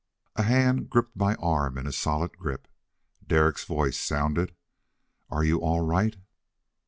A hand gripped my arm in a solid grip. Derek's voice sounded. "Are you all right?"